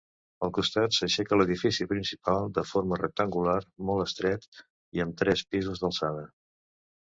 Al costat s'aixeca l'edifici principal de forma rectangular, molt estret, i amb tres pisos d'alçada.